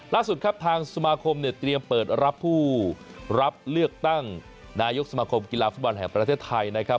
ล่าสุดครับทางสมาคมเนี่ยเตรียมเปิดรับผู้รับเลือกตั้งนายกสมาคมกีฬาฟุตบอลแห่งประเทศไทยนะครับ